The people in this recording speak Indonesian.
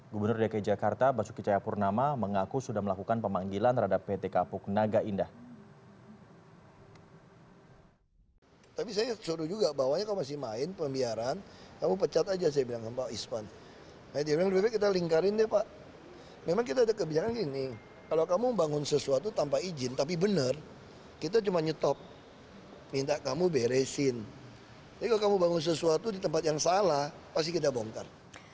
gubernur dki jakarta basuki cayapurnama mengaku sudah melakukan pemanggilan terhadap pt kapuk naga indah